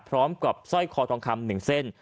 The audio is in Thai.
พร้อมกับสร้อยคอทองคำ๑เส้น